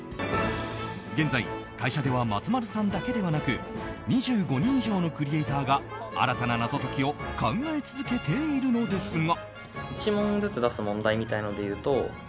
現在、会社では松丸さんだけでなく２５人以上のクリエーターが新たな謎解きを考え続けているのですが。